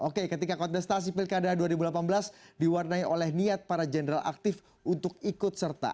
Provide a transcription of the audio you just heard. oke ketika kontestasi pilkada dua ribu delapan belas diwarnai oleh niat para jenderal aktif untuk ikut serta